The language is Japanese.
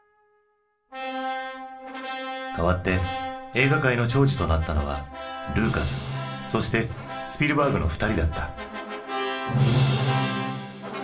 代わって映画界の寵児となったのはルーカスそしてスピルバーグの２人だった。